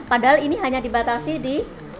padahal ini hanya dibatasi di